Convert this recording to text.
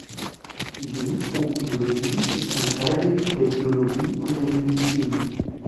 Die Mikrobiologie ist ein Teilgebiet der Biologie und der Medizin.